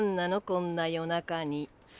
こんな夜中に。